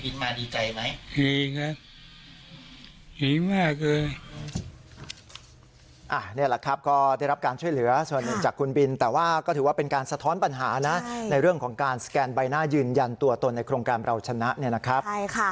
นี่แหละครับก็ได้รับการช่วยเหลือส่วนหนึ่งจากคุณบินแต่ว่าก็ถือว่าเป็นการสะท้อนปัญหานะในเรื่องของการสแกนใบหน้ายืนยันตัวตนในโครงการเราชนะเนี่ยนะครับ